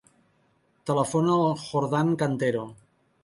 Telefona al Jordan Cantero.